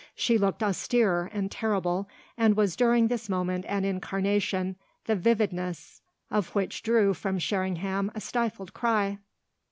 She looked austere and terrible and was during this moment an incarnation the vividness of which drew from Sherringham a stifled cry.